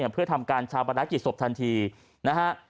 เพื่อทำการชาวประดักษณ์จิตศพทันทีนะครับ